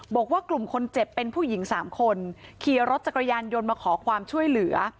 บอกว่ากลุ่มคนเจ็บเป็นผู้หญิงสามคนขี่รถจักรยานยนต์มาขอความช่วยเหลือ